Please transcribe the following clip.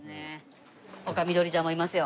丘みどりちゃんもいますよ。